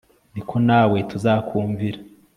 ni ko nawe tuzakumvira